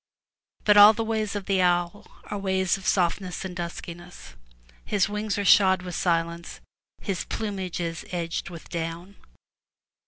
But all the ways of the owl are ways of softness and duskiness. His wings are shod with silence, his plumage is edged with down.